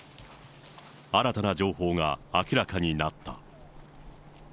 新たな情報が明らかになった。